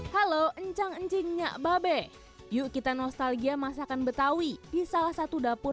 halo halo enjang encingnya babe yuk kita nostalgia masakan betawi di salah satu dapur